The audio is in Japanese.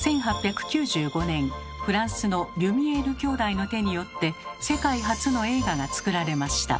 １８９５年フランスのリュミエール兄弟の手によって世界初の映画が作られました。